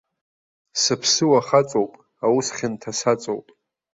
Саԥсыуа хаҵоуп, аус хьанҭа саҵоуп.